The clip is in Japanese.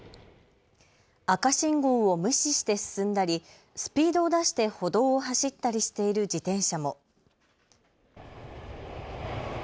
赤信号を無視して進んだりスピードを出して歩道を走ったりしている自転車も。